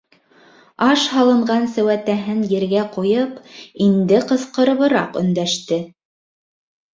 Аш һалынған сеүәтәһен ергә ҡуйып, инде ҡысҡырыбыраҡ өндәште: